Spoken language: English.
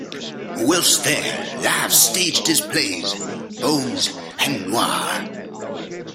Whilst there, Live staged his plays, "Bones" and "Noir".